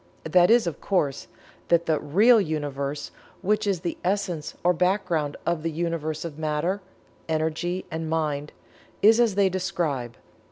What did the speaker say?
That is, of course, that the Real Universe, which is the Essence or background of the Universe of Matter, Energy and Mind, is as they describe.